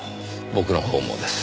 僕のほうもです。